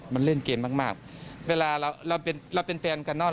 มันเล่นเกมมากมากเวลาเราเป็นเราเป็นแฟนกันเนอ